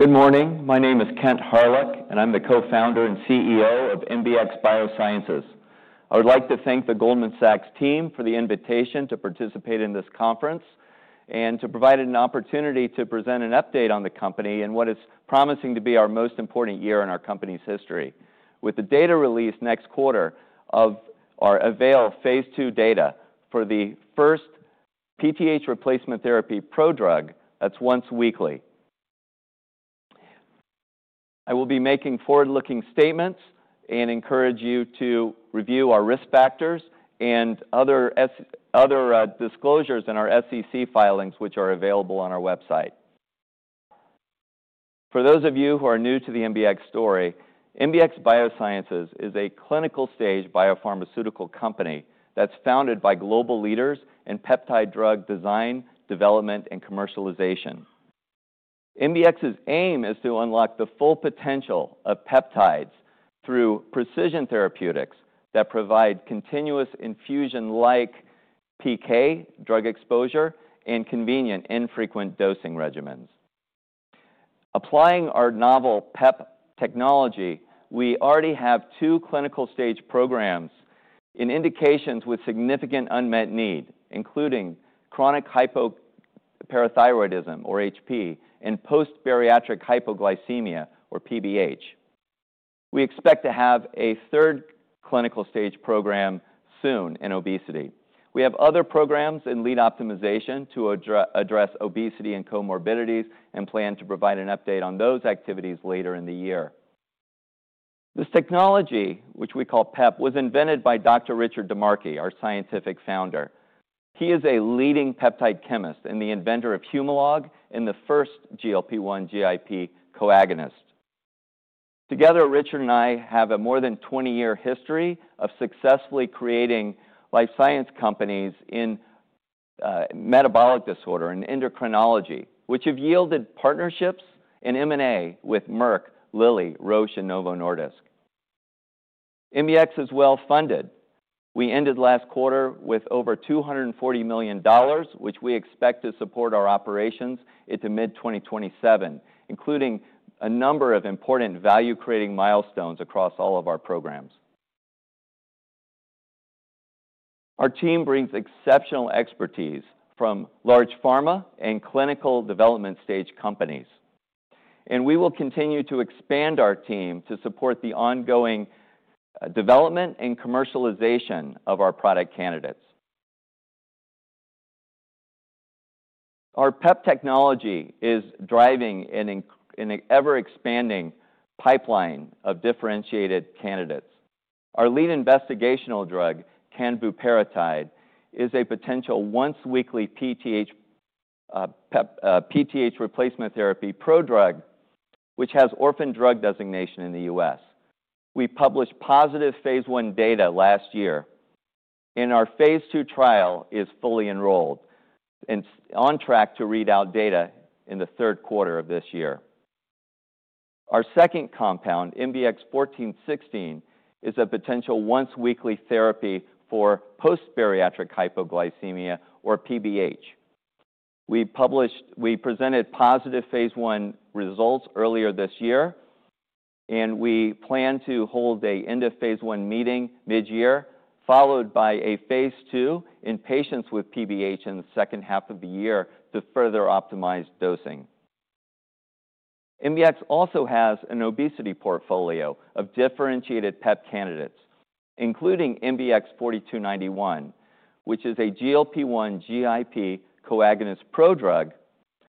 Good morning, my name is Kent Hawryluk, and I'm the co-founder and CEO of MBX Biosciences. I would like to thank the Goldman Sachs team for the invitation to participate in this conference and to provide an opportunity to present an update on the company and what is promising to be our most important year in our company's history. With the data release next quarter of our available phase II data for the first PTH replacement therapy prodrug that's once weekly. I will be making forward-looking statements and encourage you to review our risk factors and other disclosures in our SEC filings, which are available on our website. For those of you who are new to the MBX story, MBX Biosciences is a clinical-stage biopharmaceutical company that's founded by global leaders in peptide drug design, development, and commercialization. MBX's aim is to unlock the full potential of peptides through precision therapeutics that provide continuous infusion-like PK drug exposure and convenient infrequent dosing regimens. Applying our novel PEP technology, we already have two clinical-stage programs in indications with significant unmet need, including chronic hypoparathyroidism, or HP, and post-bariatric hypoglycemia, or PBH. We expect to have a third clinical-stage program soon in obesity. We have other programs in lead optimization to address obesity and comorbidities and plan to provide an update on those activities later in the year. This technology, which we call PEP, was invented by Dr. Richard DeMarchi, our scientific founder. He is a leading peptide chemist and the inventor of Humalog and the first GLP-1/GIP co-agonist. Together, Richard and I have a more than 20 year history of successfully creating life science companies in metabolic disorder and endocrinology, which have yielded partnerships in M&A with Merck, Lilly, Roche, and Novo Nordisk. MBX is well funded. We ended last quarter with over $240 million, which we expect to support our operations into mid-2027, including a number of important value-creating milestones across all of our programs. Our team brings exceptional expertise from large pharma and clinical development stage companies, and we will continue to expand our team to support the ongoing development and commercialization of our product candidates. Our PEP technology is driving an ever-expanding pipeline of differentiated candidates. Our lead investigational drug, canvuparatide, is a potential once-weekly PTH replacement therapy prodrug which has orphan drug designation in the U.S. We published positive phase I data last year, and our phase II trial is fully enrolled and on track to read out data in the third quarter of this year. Our second compound, MBX-1416, is a potential once-weekly therapy for post-bariatric hypoglycemia, or PBH. We presented positive phase I results earlier this year, and we plan to hold an end-of-phase-one meeting mid-year, followed by a phase II in patients with PBH in the second half of the year to further optimize dosing. MBX also has an obesity portfolio of differentiated PEP candidates, including MBX-4291, which is a GLP-1/GIP co-agonist prodrug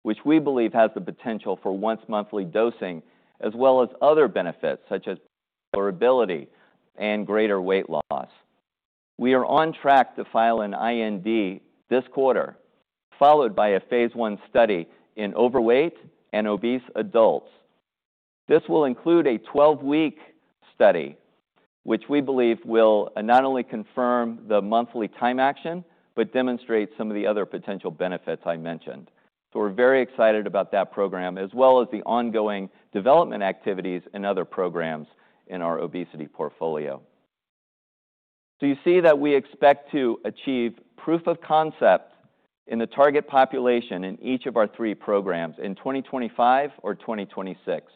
which we believe has the potential for once-monthly dosing as well as other benefits such as durability and greater weight loss. We are on track to file an IND this quarter, followed by a phase I study in overweight and obese adults. This will include a 12-week study, which we believe will not only confirm the monthly time action but demonstrate some of the other potential benefits I mentioned. We are very excited about that program as well as the ongoing development activities and other programs in our obesity portfolio. You see that we expect to achieve proof of concept in the target population in each of our three programs in 2025 or 2026.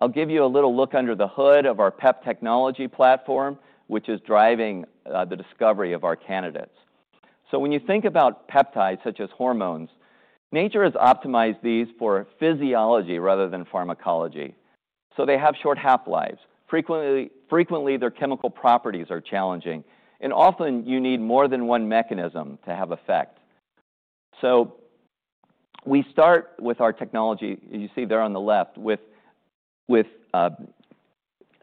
I'll give you a little look under the hood of our PEP technology platform, which is driving the discovery of our candidates. When you think about peptides such as hormones, nature has optimized these for physiology rather than pharmacology. They have short half-lives. Frequently their chemical properties are challenging, and often you need more than one mechanism to have effect. We start with our technology you see there on the left, with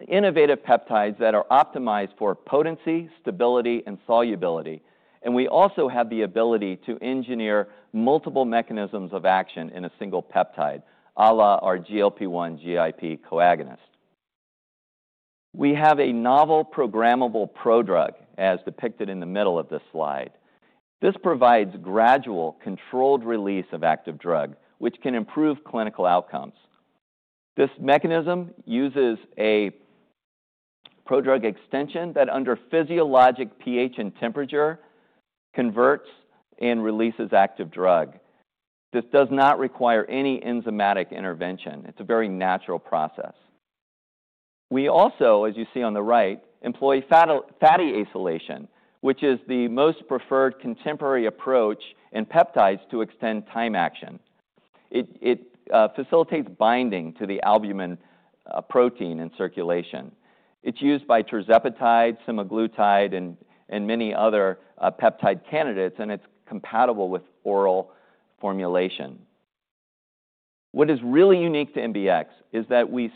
innovative peptides that are optimized for potency, stability, and solubility. We also have the ability to engineer multiple mechanisms of action in a single peptide, a la our GLP-1/GIP co-agonist. We have a novel programmable prodrug as depicted in the middle of this slide. This provides gradual, controlled release of active drug, which can improve clinical outcomes. This mechanism uses a prodrug extension that, under physiologic pH and temperature, converts and releases active drug. This does not require any enzymatic intervention. It is a very natural process. We also, as you see on the right, employ fatty acylation, which is the most preferred contemporary approach in peptides to extend time action. It facilitates binding to the albumin protein in circulation. It's used by tirzepatide, semaglutide, and many other peptide candidates, and it's compatible with oral formulation. What is really unique to MBX is that we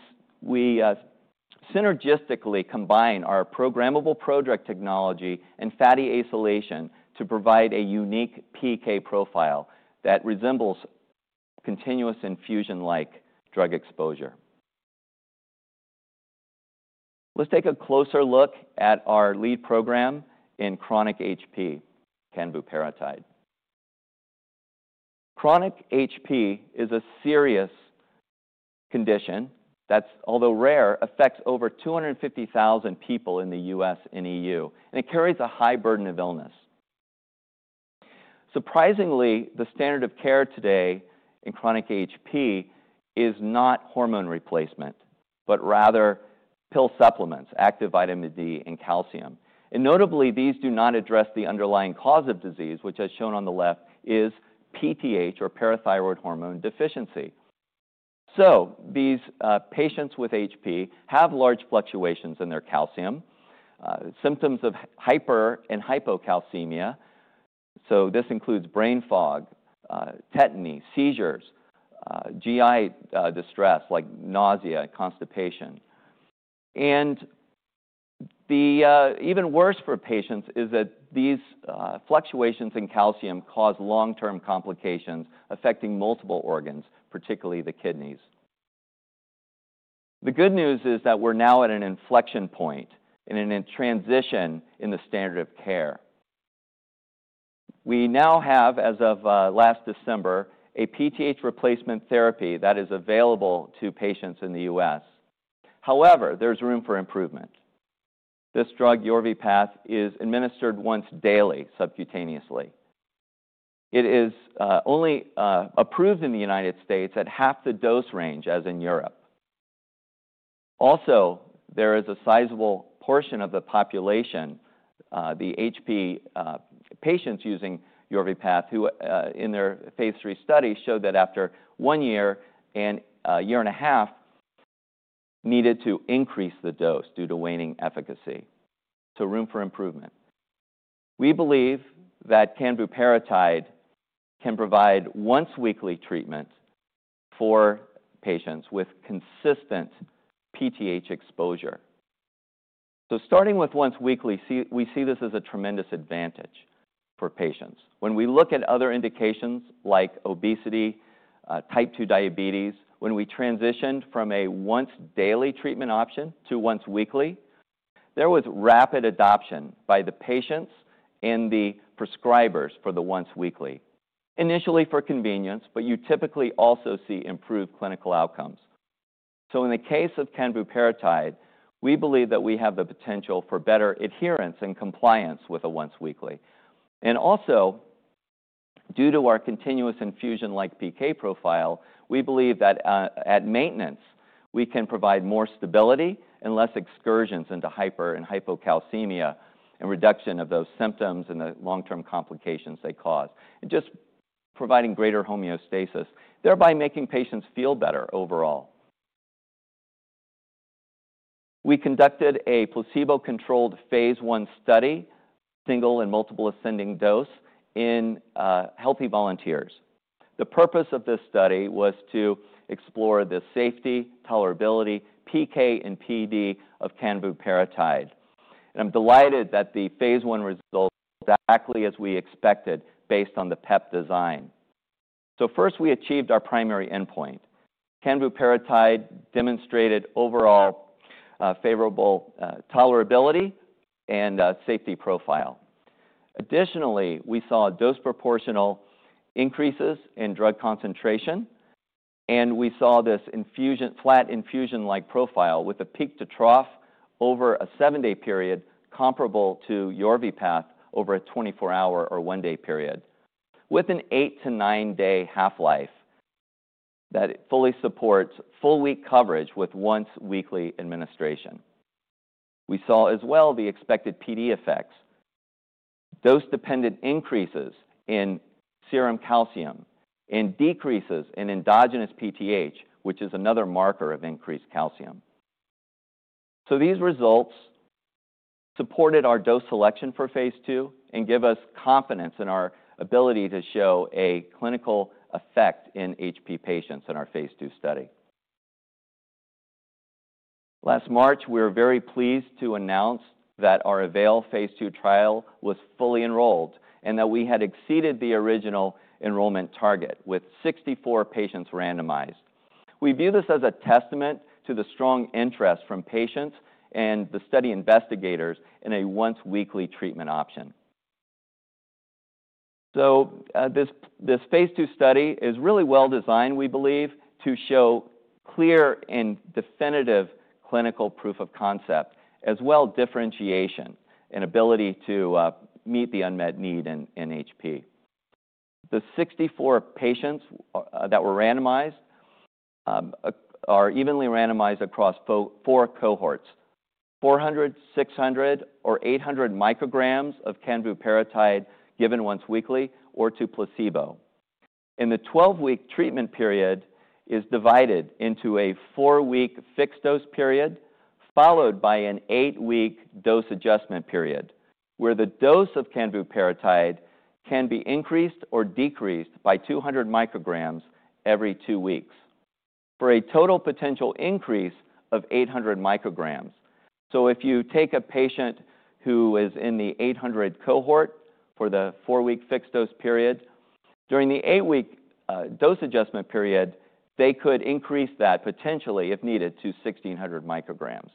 synergistically combine our programmable prodrug technology and fatty acylation to provide a unique PK profile that resembles continuous infusion-like drug exposure. Let's take a closer look at our lead program in chronic HP. Canbuparatide. Chronic HP is a serious condition that, although rare, affects over 250,000 people in the US and EU, and it carries a high burden of illness. Surprisingly, the standard of care today in chronic HP is not hormone replacement, but rather pill supplements, active vitamin D, and calcium. Notably, these do not address the underlying cause of disease, which, as shown on the left, is PTH, or parathyroid hormone deficiency. These patients with HP have large fluctuations in their calcium, symptoms of hyper- and hypocalcemia. This includes brain fog, tetany, seizures, GI distress like nausea, constipation. The even worse for patients is that these fluctuations in calcium cause long-term complications affecting multiple organs, particularly the kidneys. The good news is that we're now at an inflection point in a transition in the standard of care. We now have, as of last December, a PTH replacement therapy that is available to patients in the U.S. However, there's room for improvement. This drug, Yorvipath, is administered once daily subcutaneously. It is only approved in the United States at half the dose range as in Europe. Also, there is a sizable portion of the population, the HP patients using Yorvipath who in their phase III study showed that after one year and a year and a half needed to increase the dose due to waning efficacy. Room for improvement. We believe that Canvuparatide can provide once-weekly treatment for patients with consistent PTH exposure. Starting with once weekly, we see this as a tremendous advantage for patients. When we look at other indications like obesity, type 2 diabetes. When we transitioned from a once-daily treatment option to once-weekly, there was rapid adoption by the patients and the prescribers for the once-weekly initially for convenience, but you typically also see improved clinical outcomes. In the case of canvuparatide, we believe that we have the potential for better adherence and compliance with a once-weekly, and also due to our continuous infusion-like PK profile, we believe that at maintenance we can provide more stability and less excursions into hyper- and hypocalcemia and reduction of those symptoms and the long-term complications they cause, just providing greater homeostasis, thereby making patients feel better overall. We conducted a placebo-controlled phase I study, single and multiple ascending dose, in healthy volunteers. The purpose of this study was to explore the safety, tolerability, PK, and PD of canvuparatide. I'm delighted that the phase I resulted exactly as we expected based on the PEP design. First, we achieved our primary endpoint. Canv uparatide demonstrated overall favorable tolerability and safety profile. Additionally, we saw dose-proportional increases in drug concentration, and we saw this flat infusion-like profile with a peak to trough over a seven-day period comparable to Yorvipath over a 24-hour or one-day period, with an eight- to nine-day half-life that fully supports full week coverage with once-weekly administration. We saw as well the expected PD effects, dose-dependent increases in serum calcium and decreases in endogenous PTH, which is another marker of increased calcium. These results supported our dose selection for phase II and give us confidence in our ability to show a clinical effect in HP patients. In our phase II study last March, we were very pleased to announce that our AVAIL phase II trial was fully enrolled and that we had exceeded the original enrollment target with 64 patients randomized. We view this as a testament to the strong interest from patients and the study investigators in a once-weekly treatment option. This phase II study is really well designed, we believe, to show clear and definitive clinical proof of concept as well as differentiation and ability to meet the unmet need in HP. The 64 patients that were randomized are evenly randomized across four cohorts: 400, 600, or 800 micrograms of canvuparatide given once weekly, or to placebo, and the 12-week treatment period is divided into a four-week fixed-dose period followed by an eight-week dose adjustment period where the dose of canvuparatide can be increased or decreased by 200 micrograms every two weeks for a total potential increase of 800 micrograms. If you take a patient who is in the 800 cohort for the four-week fixed-dose period, during the eight-week dose adjustment period, they could increase that potentially if needed to 1,600 micrograms.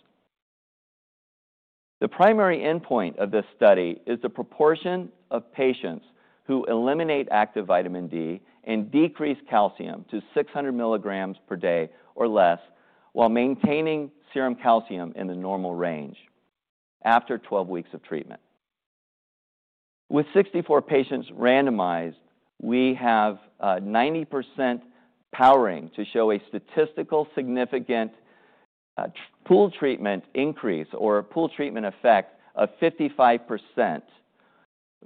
The primary endpoint of this study is the proportion of patients who eliminate active vitamin D and decrease calcium to 600 milligrams per day or less while maintaining serum calcium in the normal range. After 12 weeks of treatment with 64 patients randomized, we have 90% powering to show a statistically significant pooled treatment increase or pooled treatment effect of 55%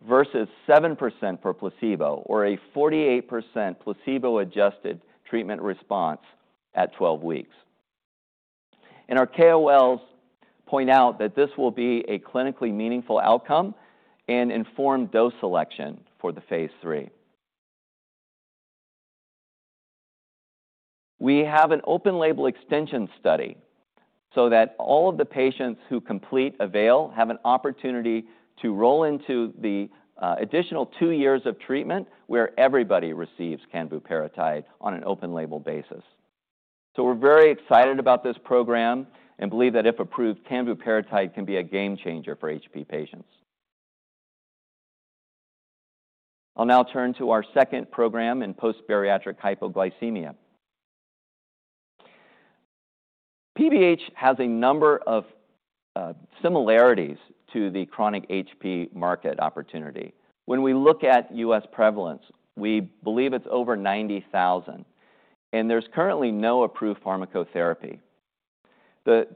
versus 7% for placebo, or a 48% placebo-adjusted treatment response at 12 weeks, and our KOLs point out that this will be a clinically meaningful outcome and inform dose selection for the phase III. We have an open label extension study so that all of the patients who complete avail have an opportunity to roll into the additional two years of treatment where everybody receives canvuparatide on an open label basis. We are very excited about this program and believe that if approved, canvuparatide can be a game changer for HP patients. I'll now turn to our second program in post bariatric hypoglycemia. PBH has a number of similarities to the chronic HP market opportunity. When we look at US prevalence we believe it's over 90,000 and there's currently no approved pharmacotherapy. The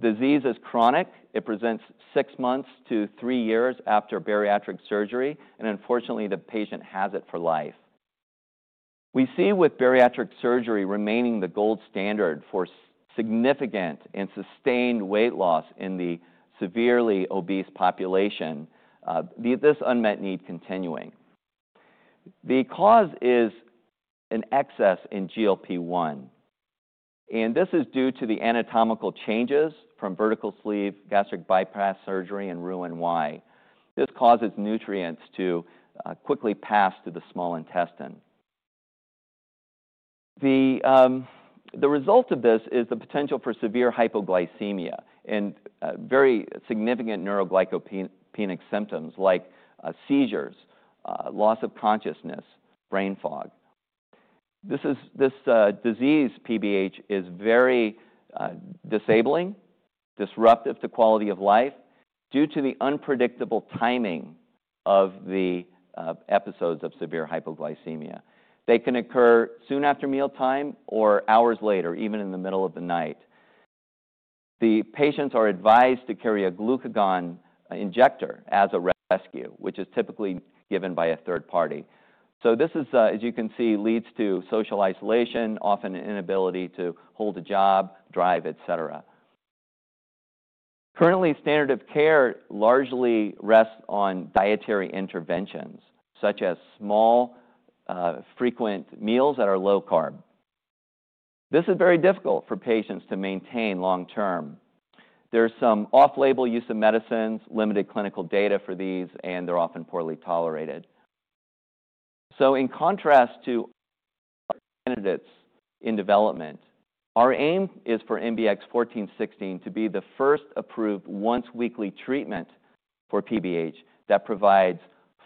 disease is chronic, it presents six months to three years after bariatric surgery and unfortunately the patient has it for life. We see with bariatric surgery remaining the gold standard for significant and sustained weight loss in the severely obese population, this unmet need continuing. The cause is an excess in GLP-1, and this is due to the anatomical changes from vertical sleeve gastric bypass surgery and Roux-en-Y. This causes nutrients to quickly pass through the small intestine. The result of this is the potential for severe hypoglycemia and very significant neuroglycopenic symptoms like seizures, loss of consciousness, brain fog. This disease, PBH, is very disabling, disruptive to quality of life. Due to the unpredictable timing of the episodes of severe hypoglycemia, they can occur soon after mealtime or hours later, even in the middle of the night. The patients are advised to carry a glucagon injector as a rescue, which is typically given by a third party. This, as you can see, leads to social isolation, often an inability to hold a job, drive, et cetera. Currently, standard of care largely rests on dietary interventions such as small, frequent meals that are low carb. This is very difficult for patients to maintain long-term. There's some off-label use of medicines, limited clinical data for these, and they're often poorly tolerated. In contrast to candidates in development, our aim is for MBX-1416 to be the first approved once-weekly treatment for PBH that provides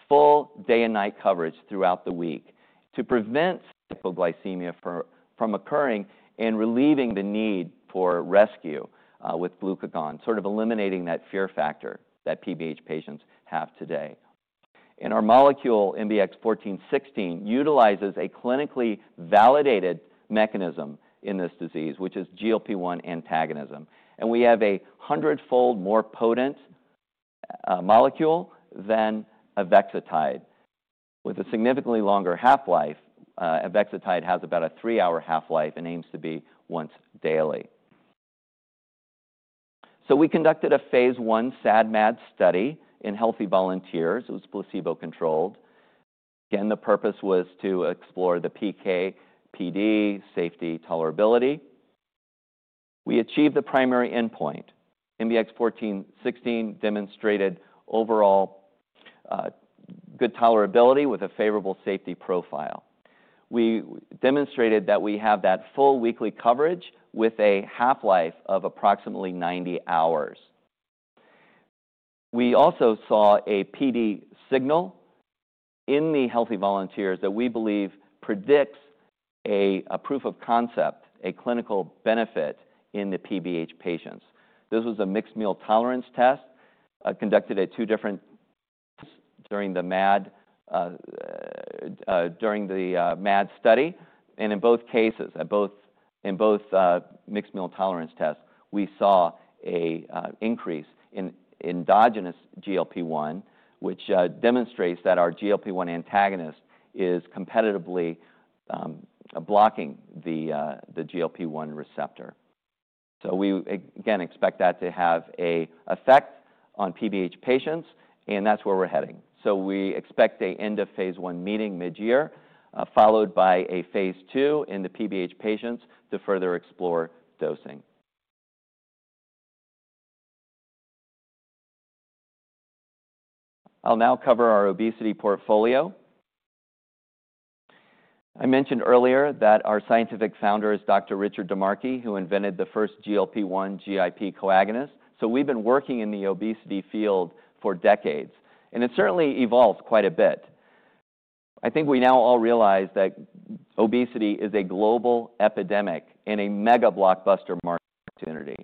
full day and night coverage throughout the week to prevent hypoglycemia from occurring and relieving the need for rescue with glucagon, sort of eliminating that fear factor that PBH patients have today. Our molecule MBX-1416 utilizes a clinically validated mechanism in this disease, which is GLP-1 antagonism. We have a 100-fold more potent molecule than abexatide with a significantly longer half life. Abexatide has about a three hour half life and aims to be once daily. We conducted a phase I SAD MAD study in healthy volunteers. It was placebo controlled. Again, the purpose was to explore the PKPD safety tolerability. We achieved the primary endpoint. MBX-1416 demonstrated overall good tolerability with a favorable safety profile. We demonstrated that we have that full weekly coverage with a half-life of approximately 90 hours. We also saw a PD signal in the healthy volunteers that we believe predicts a proof of concept, a clinical benefit in the PBH patients. This was a mixed meal tolerance test conducted at two different times during the MAD study, and in both cases, in both mixed meal tolerance tests, we saw an increase in endogenous GLP-1, which demonstrates that our GLP-1 antagonist is competitively blocking the GLP-1, receptor. We again expect that to have an effect on PBH patients, and that's where we're heading. We expect an end-of- phase I meeting mid-year followed by a phase II in the PBH patients to further explore dosing. I'll now cover our obesity portfolio. I mentioned earlier that our scientific founder is Dr. Richard DeMarchi, who invented the first GLP-1/GIP co-agonist. We've been working in the obesity field for decades, and it certainly evolves quite a bit. I think we now all realize that obesity is a global epidemic and a mega blockbuster market opportunity.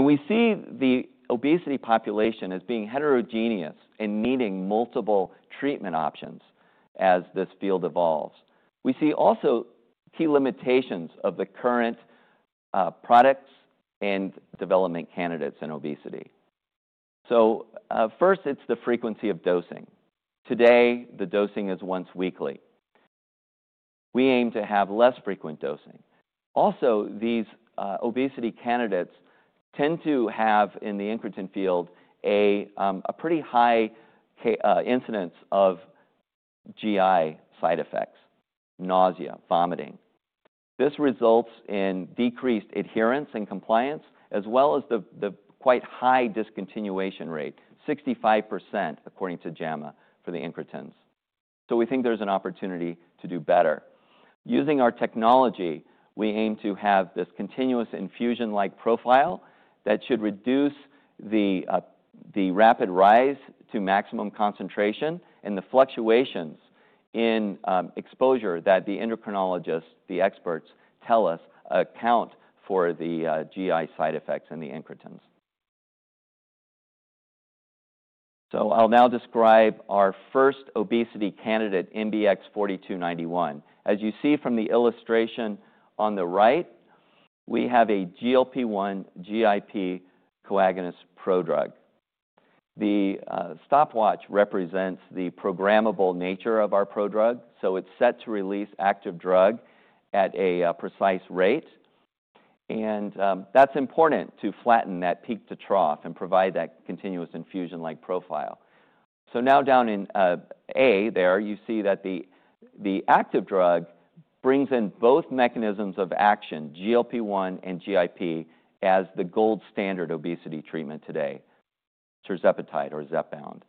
We see the obesity population as being heterogeneous and needing multiple treatment options. As this field evolves, we see also key limitations of the current products and development candidates in obesity. First, it's the frequency of dosing. Today the dosing is once weekly. We aim to have less frequent dosing. Also, these obesity candidates tend to have, in the incretin field, a pretty high incidence of GI side effects, nausea, vomiting. This results in decreased adherence and compliance as well as the quite high discontinuation rate, 65% according to JAMA for the incretins. We think there's an opportunity to do better. Using our technology, we aim to have this continuous infusion-like profile that should reduce the rapid rise to maximum concentration and the fluctuations in exposure that the endocrinologists, the experts, tell us account for the GI side effects in the incretins. I'll now describe our first obesity candidate, MBX-4291. As you see from the illustration on the right, we have a GLP-1/GIP co-agonist prodrug. The stopwatch represents the programmable nature of our prodrug. It is set to release active drug at a precise rate, and that is important to flatten that peak to trough and provide that continuous infusion-like profile. Now, down in there you see that the active drug brings in both mechanisms of action, GLP-1 and GIP, as the gold standard obesity treatment today, tirzepatide, or Zepbound.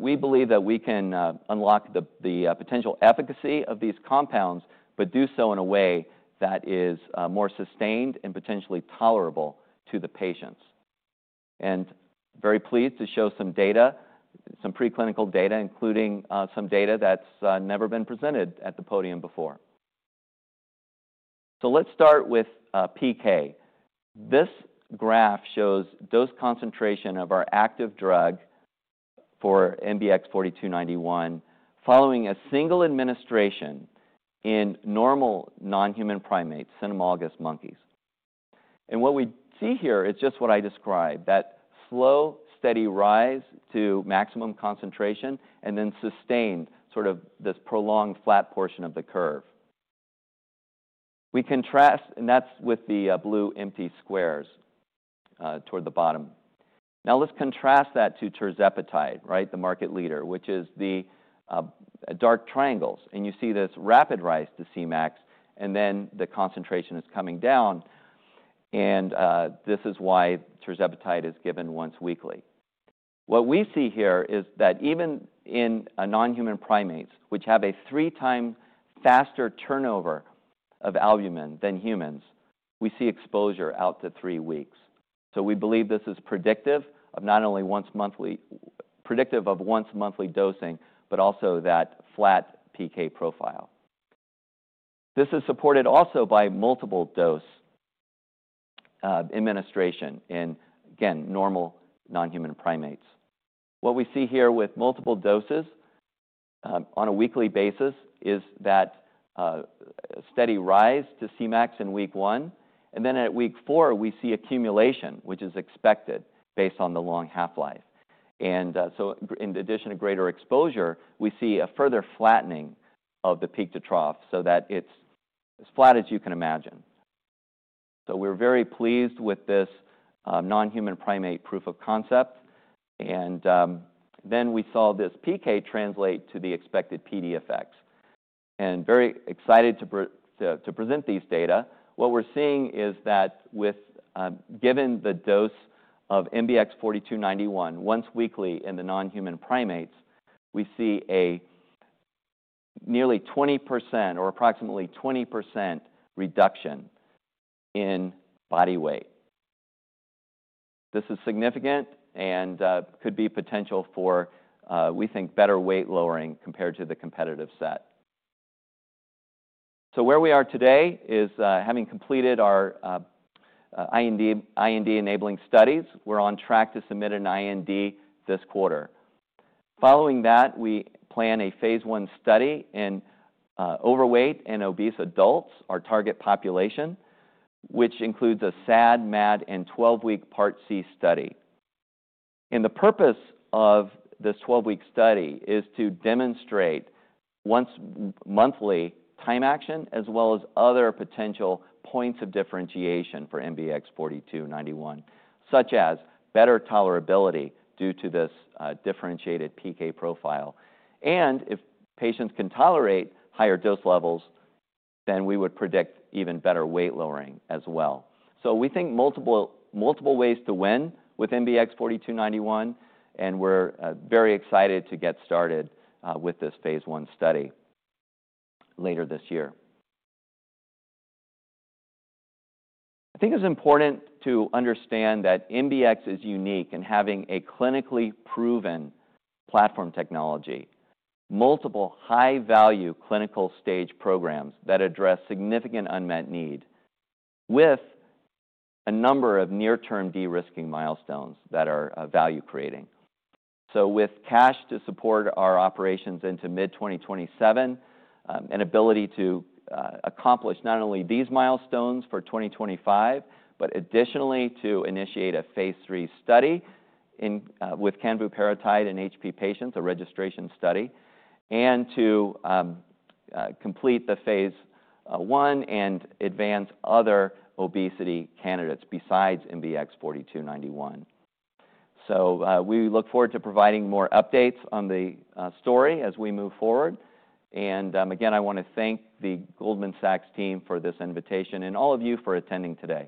We believe that we can unlock the potential efficacy of these compounds but do so in a way that is more sustained and potentially tolerable to the patients. I am very pleased to show some data, some preclinical data, including some data that has never been presented at the podium before. Let's start with PK. This graph shows dose concentration of our active drug for MBX-4291 following a single administration in normal non-human primates, cynomolgus monkeys. What we see here is just what I described, that slow, steady rise to maximum concentration and then sustained, sort of this prolonged flat portion of the curve. We contrast, and that's with the blue empty squares toward the bottom. Now let's contrast that to tirzepatide, the market leader, which is the dark triangles. You see this rapid rise to C max, and then the concentration is coming down. This is why Tirzepatide is given once weekly. What we see here is that even in nonhuman primates, which have a three-time-faster turnover of albumin than humans, we see exposure out to three weeks. We believe this is predictive of not only once monthly, predictive of once monthly dosing, but also that flat PK profile. This is supported also by multiple-dose administration in, again, normal nonhuman primates. What we see here with multiple doses on a weekly basis is that steady rise to CMax in week one, and then at week four we see accumulation, which is expected based on the long half-life. In addition to greater exposure, we see a further flattening of the peak to trough so that it's as flat as you can imagine. We are very pleased with this nonhuman primate proof of concept. We saw this PK translate to the expected PD effects and are very excited to present these data. What we're seeing is that, with the given dose of MBX-4291 once weekly in the nonhuman primates, we see a nearly 20%, or approximately 20%, reduction in body weight. This is significant and could be potential for, we think, better weight lowering compared to the competitive set. Where we are today is having completed our IND-enabling studies; we're on track to submit an IND this quarter. Following that, we plan a phase I study in overweight and obese adults, our target population, which includes a SAD, MAD, and 12-week part C study. The purpose of this 12-week study is to demonstrate once- monthly time action as well as other potential points of differentiation for MBX-4291, such as better tolerability due to this differentiated PK profile, and if patients can tolerate higher dose levels, then we would predict even better weight lowering as well. We think multiple ways to win with MBX-4291, and we're very excited to get started with this phase I study later this year. I think it's important to understand that MBX is unique in having a clinically proven platform technology, multiple high-value clinical-stage programs that address significant unmet need, with a number of near-term de-risking milestones that are value-creating. With cash to support our operations into mid-2027, an ability to accomplish not only these milestones for 2025 but additionally to initiate a phase III study with canvuparatide in HP patients, a registration study, and to complete the phase I and advance other obesity candidates besides MBX-4291. We look forward to providing more updates on the story as we move forward. Again, I want to thank the Goldman Sachs team for this invitation and all of you for attending today.